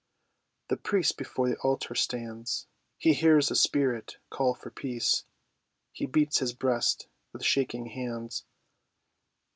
The priest before the altar stands, He hears the spirit call for peace; He beats his breast with shaking hands.